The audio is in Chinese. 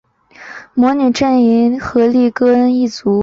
魔女阵营荷丽歌恩一族